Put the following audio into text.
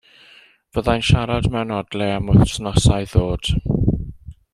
Fydda i'n siarad mewn odla am w'snosa i ddod.